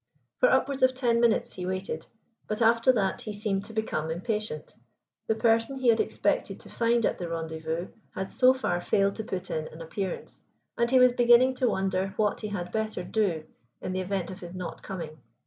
For upwards of ten minutes he waited, but after that he seemed to become impatient. The person he had expected to find at the rendezvous had, so far, failed to put in an appearance, and he was beginning to wonder what he had better do in the event of his not coming.